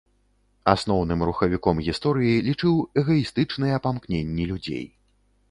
Асноўным рухавіком гісторыі лічыў эгаістычныя памкненні людзей.